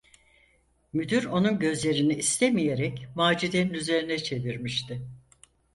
Müdür onun gözlerini, istemeyerek, Macide’nin üzerine çevirmişti.